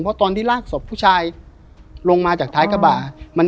เพราะตอนที่ลากศพผู้ชายลงมาจากท้ายกระบะ